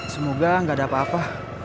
semoga gak ada apa apa